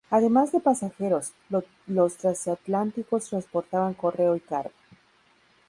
Además de pasajeros, los transatlánticos transportaban correo y carga.